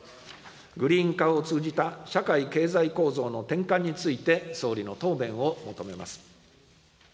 グリーン化を通じた社会経済構造の転換について、総理の答弁を求めます。